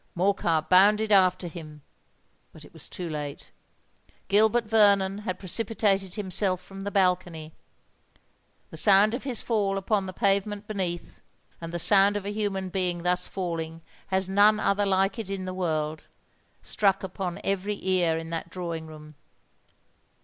Morcar bounded after him: but it was too late. Gilbert Vernon had precipitated himself from the balcony! The sound of his fall upon the pavement beneath,—and the sound of a human being thus falling has none other like it in the world,—struck upon every ear in that drawing room.